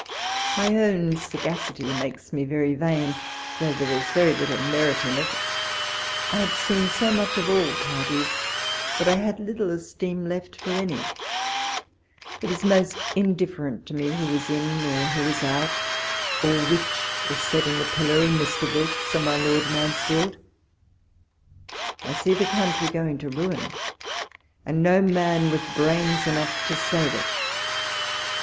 My own sagacity makes me very vain, though there was very little merit in it. 1 had seen so much of all parties, that I had little esteem left for any ; it is most in different to me who is in or who is out, or which is set in the pillory, Mr. Wilkes or my Lord Mansfield. I see the country going to ruin, and no man with brains enough to save it.